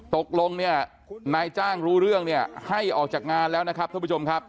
ตกลงเนี่ยนายจ้างรู้เรื่องเนี่ยให้ออกจากงานแล้วนะครับท่านผู้ชมครับ